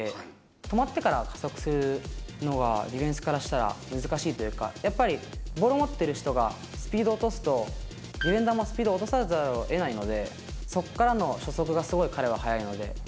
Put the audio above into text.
止まってから加速するのが、ディフェンスからしたら、難しいというか、やっぱりボールを持ってる人がスピード落とすと、ディフェンダーもスピードを落とさざるをえないので、そこからの初速がすごい彼は速いので。